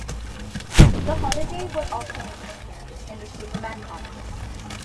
The holiday would also make an appearance in the Superman comics.